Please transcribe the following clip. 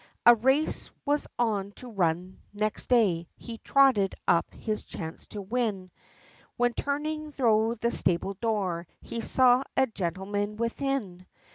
A race was on to run next day; he totted up his chance to win, When turning thro' the stable door, he saw a gentleman within!